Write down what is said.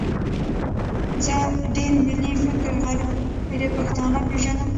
زه ډېر ملي فکره غیرپښتانه پېژنم.